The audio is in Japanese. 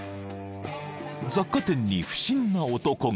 ［雑貨店に不審な男が］